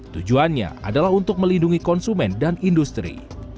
tujuannya adalah untuk melindungi konsumen dan industri